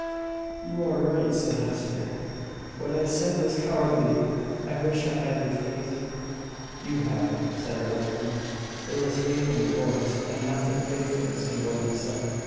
"You are right," said Hester. "What I said was cowardly. I wish I had your faith." "You have it," said her husband. "There was faith in your voice, and nothing faithless in what you said.